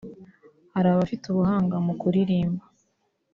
Hari abafite ubuhanga mu kuririmba